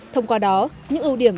thông qua đó những ưu điện